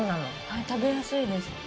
はい食べやすいです。